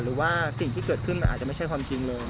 หรือว่าสิ่งที่เกิดขึ้นมันอาจจะไม่ใช่ความจริงเลย